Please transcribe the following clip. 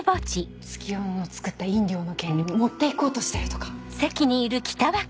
月夜野の作った飲料の権利持っていこうとしてるとか。